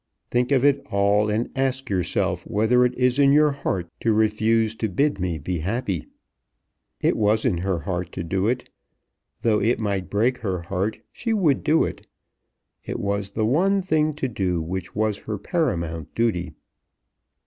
"Think of it all, and ask yourself whether it is in your heart to refuse to bid me be happy." It was in her heart to do it. Though it might break her heart she would do it. It was the one thing to do which was her paramount duty.